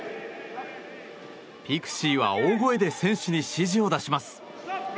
ピクシーは大声で選手に指示を出します。